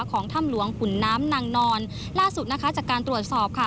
ของถ้ำหลวงขุนน้ำนางนอนล่าสุดนะคะจากการตรวจสอบค่ะ